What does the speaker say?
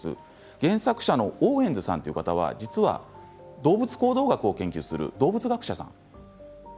原作者のオーエンズさんは動物行動学を研究する動物学者さんでした。